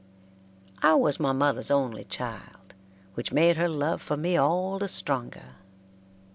I was my mother's only child, which made her love for me all the stronger.